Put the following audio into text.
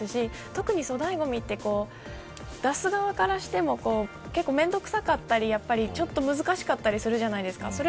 特に粗大ごみは出す側からしても結構めんどくさかったりちょっと難しかったりするじゃないですか。